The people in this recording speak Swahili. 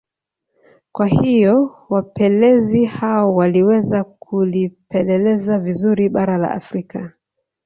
Kwa hiyo wapelezi hao waliweza kulipeleleza vizuri bara la Afrika